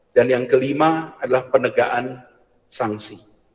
dan yang kelima adalah penegaan sanksi